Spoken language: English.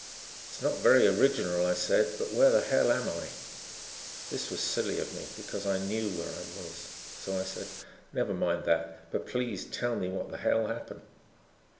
"It's not very original," I said, "but where the hell am I?" That was silly of me because I knew where I was, so I said: "Never mind that but please tell me what the hell happened?"